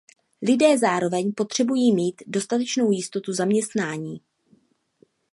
Lidé zároveň potřebují mít dostatečnou jistotu zaměstnání.